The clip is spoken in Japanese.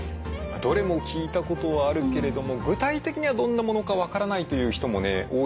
どれも聞いたことはあるけれども具体的にはどんなものか分からないという人も多いかもしれませんね。